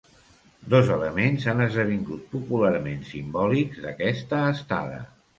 Dos elements han esdevingut popularment simbòlics d'aquesta estada.